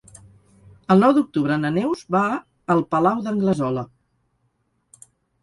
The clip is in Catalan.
El nou d'octubre na Neus va al Palau d'Anglesola.